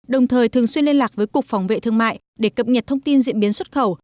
đồng thời thường xuyên liên lạc với cục phòng vệ thương mại để cập nhật thông tin diễn biến xuất khẩu